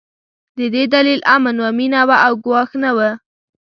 د دې دلیل امن و، مينه وه او ګواښ نه و.